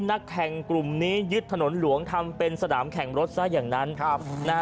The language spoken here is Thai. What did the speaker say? นักแข่งกลุ่มนี้ยึดถนนหลวงทำเป็นสนามแข่งรถซะอย่างนั้น